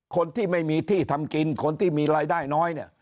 คนที่ไม่มีที่ทำกินคนที่มีรายได้น้อยเนี่ย